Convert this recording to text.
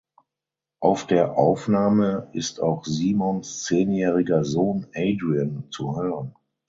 Auf der Aufnahme ist auch Simons zehnjähriger Sohn Adrian zu hören.